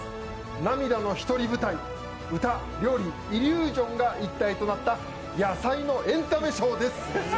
涙の１人芝居、歌、料理、イリュージョンが一体となった野菜のエンタメショーです。